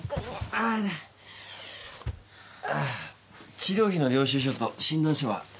あぁ治療費の領収書と診断書は？